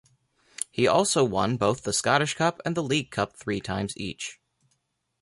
He also won both the Scottish Cup and the League Cup three times each.